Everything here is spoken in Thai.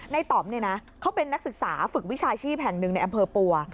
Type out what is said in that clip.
ต่อมเนี่ยนะเขาเป็นนักศึกษาฝึกวิชาชีพแห่งหนึ่งในอำเภอปัว